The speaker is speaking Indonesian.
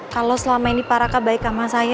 kalau selama ini pak raka baik sama saya